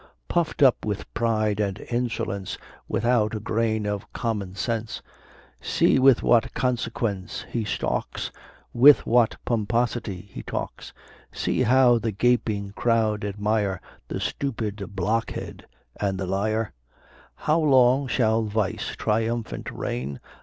Puff'd up with pride and insolence, Without a grain of common sense, See with what consequence he stalks, With what pomposity he talks; See how the gaping crowd admire The stupid blockhead and the liar. How long shall vice triumphant reign?